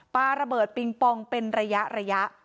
ปลาระเบิดปิงปองเป็นระยะ